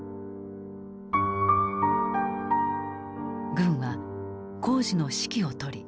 軍は工事の指揮を執り